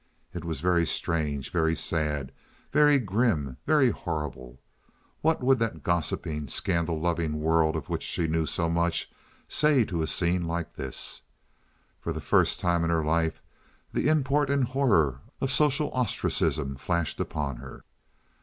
It was very strange, very sad, very grim, very horrible. What would that gossiping, scandal loving world of which she knew so much say to a scene like this? For the first time in her life the import and horror of social ostracism flashed upon her.